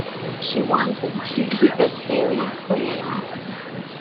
She wanted to be the fairy queen.